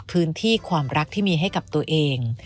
พื้นที่ความรักที่มีให้กับตัวเอง